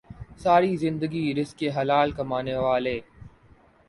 ساری زندگی رزق حلال کمانے والے